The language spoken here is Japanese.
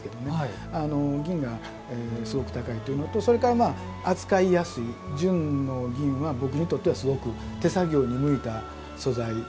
銀がすごく高いというのとそれから扱いやすい純の銀は僕にとってはすごく手作業に向いた素材だと思っています。